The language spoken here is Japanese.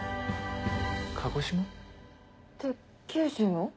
鹿児島？って九州の？